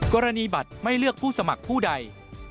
กรณีบัตรไม่เลือกผู้สมัครผู้ใด